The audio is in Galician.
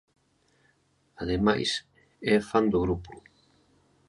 Ademais é fan do grupo.